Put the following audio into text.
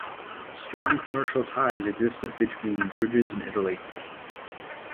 Strong commercial ties existed between Bruges and Italy.